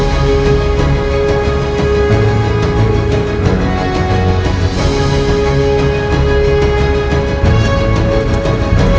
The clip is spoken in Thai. ครับค่ะ